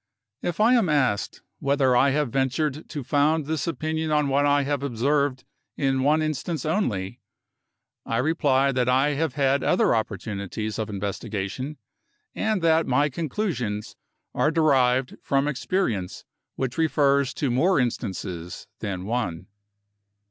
If I am asked whether I have ventured to found this opinion on what I have observed in one instance only, I reply that I have had other opportunities of investigation, and that my conclusions are derived from experience which refers to more instances than one.